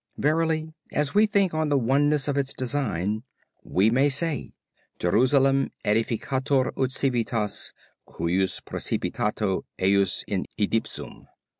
Verily, as we think on the oneness of its design, we may say: Jerusalem edificatur ut civitas cujus participatio ejus in idipsum."